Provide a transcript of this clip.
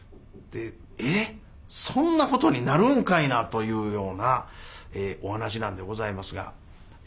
えっそんなことになるんかいなというようなお噺なんでございますが。